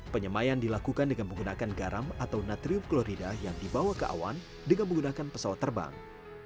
penyemayan dilakukan dengan menggunakan garam atau natrium klorida yang dibawa ke awan dengan menggunakan pesawat terbang